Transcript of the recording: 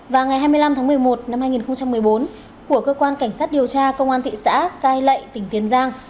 và ngày hai mươi năm tháng một mươi một năm hai nghìn một mươi bốn của cơ quan cảnh sát điều tra công an thị xã cai lậy tỉnh tiền giang